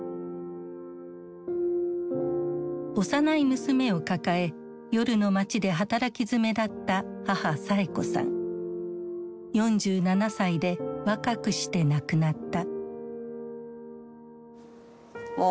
幼い娘を抱え夜の街で働きづめだった４７歳で若くして亡くなった。